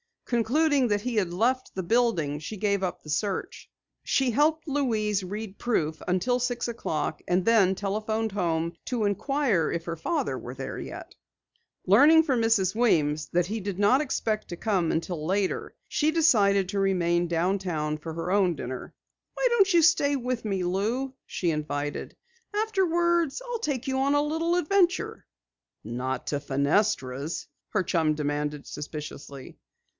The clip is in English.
Concluding that he had left the building, she gave up the search. She helped Louise read proof until six o'clock, and then telephoned home to inquire if her father were there. Learning from Mrs. Weems that he did not expect to come until later, she decided to remain downtown for her own dinner. "Why don't you stay with me, Lou?" she invited. "Afterwards, I'll take you on a little adventure." "Not to Fenestra's?" her chum demanded suspiciously.